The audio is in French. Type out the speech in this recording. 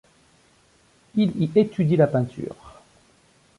Il y étudie la peinture.